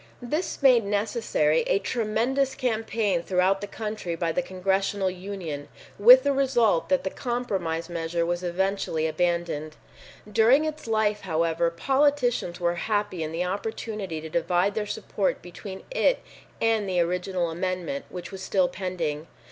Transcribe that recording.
This made necessary a tremendous campaign throughout the country by the Congressional Union, with the result that the compromise measure was eventually abandoned. During its life, however, politicians were happy in the opportunity to divide their support between it and the original amendment, which was still pending.